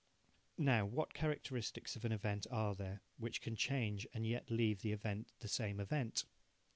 Now what characteristics of an event are there which can change and yet leave the event the same event?